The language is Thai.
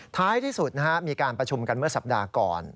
ท้ายที่สุดมีการประชุมกันเมื่อสัปดาห์ก่อน